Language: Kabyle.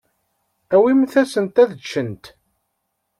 Awimt-asent-d ad ččent.